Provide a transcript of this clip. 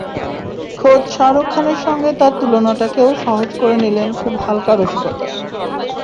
খোদ শাহরুখ খানের সঙ্গে তাঁর তুলনাটাকেও সহজ করে নিলেন খুব হালকা রসিকতায়।